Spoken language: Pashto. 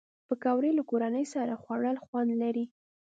پکورې له کورنۍ سره خوړل خوند لري